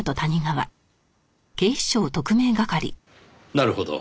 なるほど。